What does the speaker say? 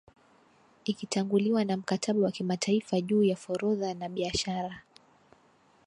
ikitanguliwa na Mkataba wa Kimataifa juu ya Forodha na Biashara